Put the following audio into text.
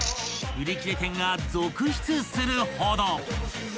［売り切れ店が続出するほど］